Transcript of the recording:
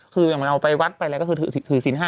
คืออย่างเราไปวัดไปแล้วก็ถือสินห้า